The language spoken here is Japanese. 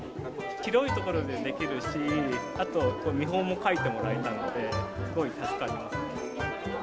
広い所でできるし、あと見本も書いてもらえたので、すごい助かりますね。